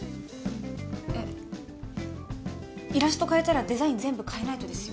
えっイラスト変えたらデザイン全部変えないとですよ